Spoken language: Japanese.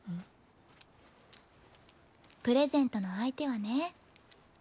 プレゼントの相手はね